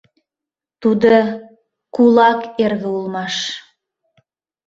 Тудо кулак эрге улмаш.